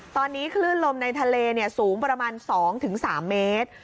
ตอนนี้คลื่นลมในทะเลสูงประมาณ๒๓เมตร